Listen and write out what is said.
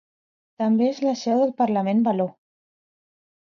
També és la seu del Parlament való.